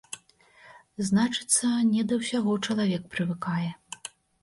Значыцца, не да ўсяго чалавек прывыкае.